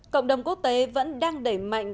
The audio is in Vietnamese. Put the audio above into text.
cộng đồng quốc tế vẫn đang đẩy mạnh